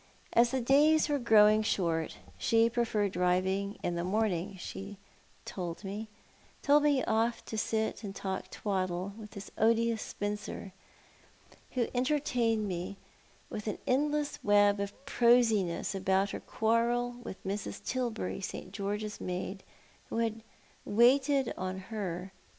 As the days were growing short she preferred driving in the morning, so behold me, told off to sit and talk twaddle with this odious spinster, who entertained me with an endless web of prosiness about her quarrel with Mrs. Tilbury St. George's maid, who had waited on her.